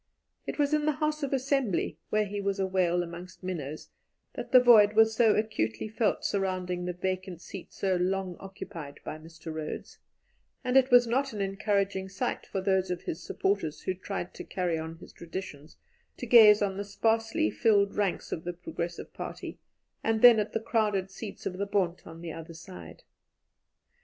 It was in the House of Assembly where he was a whale amongst minnows that the void was so acutely felt surrounding the vacant seat so long occupied by Mr. Rhodes, and it was not an encouraging sight, for those of his supporters who tried to carry on his traditions, to gaze on the sparsely filled ranks of the Progressive Party, and then at the crowded seats of the Bond on the other side.